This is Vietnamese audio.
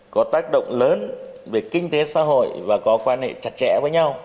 có tác động lớn về kinh tế xã hội và có quan hệ chặt chẽ với nhau